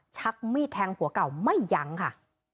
ชักมีดแทงผัวเก่าไม่ยั้งค่ะ